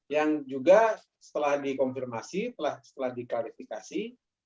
yang juga setelah dikonfirmasi setelah diklarifikasi